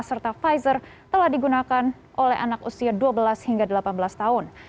serta pfizer telah digunakan oleh anak usia dua belas hingga delapan belas tahun